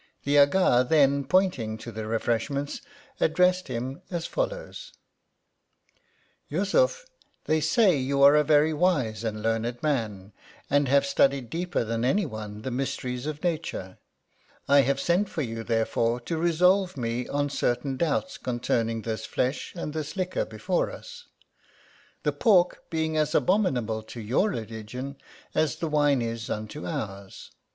The Aga then pointing to the refreshments addressed him as follows :— "Yussuf, they say you are a very wise and learned man, and have studied deeper than any one the mysteries of nature. I have sent for you, therefore, to resolve me on certain doubts concerning this flesh, and this liquor before us ; the pork being as abominable to your religion, as the wine is unto ours.